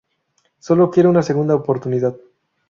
Sólo quiere una segunda oportunidad.